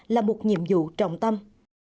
là một nhiệm vụ trọng tâm